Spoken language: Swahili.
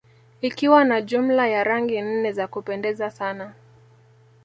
Ikiwa na jumla ya Rangi nne za kupendeza sana